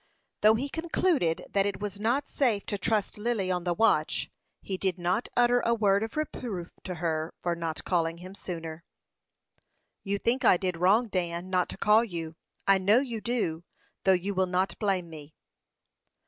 Though he concluded that it was not safe to trust Lily on the watch, he did not utter a word of reproof to her for not calling him sooner. "You think I did wrong, Dan, not to call you. I know you do, though you will not blame me."